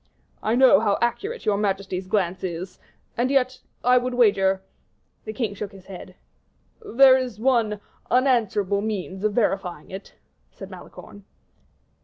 "I know how accurate your majesty's glance is, and yet I would wager." The king shook his head. "There is one unanswerable means of verifying it," said Malicorne.